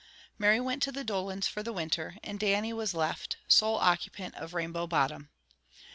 Mary went to the Dolans for the winter and Dannie was left, sole occupant of Rainbow Bottom.